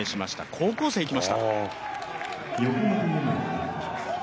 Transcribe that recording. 高校生いきました。